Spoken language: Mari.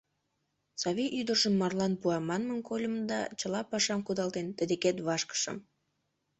Савий ӱдыржым марлан пуа манмым кольым да, чыла пашам кудалтен, тый декет вашкышым.